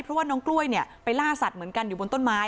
เพราะว่าน้องกล้วยเนี่ยไปล่าสัตว์เหมือนกันอยู่บนต้นไม้